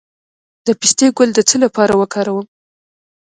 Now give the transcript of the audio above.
د پسته ګل د څه لپاره وکاروم؟